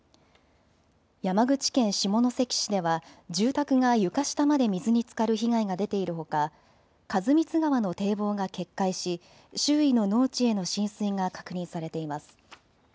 山口県下関市では住宅が床下まで水につかる被害が出ているほか員光川の堤防が決壊し周囲の農地への浸水が確認されています。